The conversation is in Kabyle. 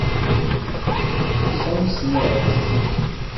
Ssamsen-as.